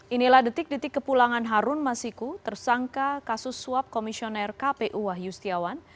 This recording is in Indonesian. inilah detik detik kepulangan harun masiku tersangka kasus suap komisioner kpu wahyu setiawan